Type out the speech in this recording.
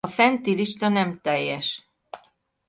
A fenti lista nem teljes.